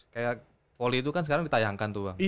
kayak voli itu kan sekarang ditayangkan tuh bang